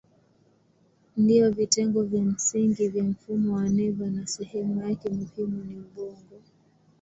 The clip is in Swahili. Ndiyo vitengo vya msingi vya mfumo wa neva na sehemu yake muhimu ni ubongo.